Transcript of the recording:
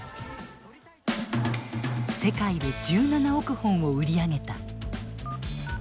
世界で１７億本を売り上げた。